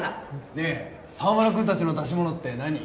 ねぇ沢村くんたちの出し物って何？